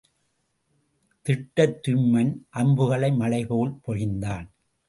திட்டத்துய்மன் அம்புகளை மழை போல் பொழிந்தான்.